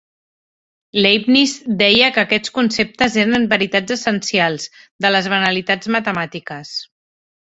Leibniz deia que aquests conceptes eren "veritats essencials" de les banalitats matemàtiques.